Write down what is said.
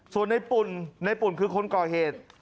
ส่วนในปุ่นในปุ่นคือคนก่อเหตุ